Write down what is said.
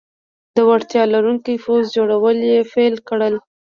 د وړتیا لرونکي پوځ جوړول یې پیل کړل.